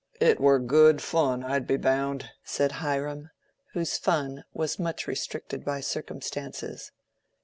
"It war good foon, I'd be bound," said Hiram, whose fun was much restricted by circumstances.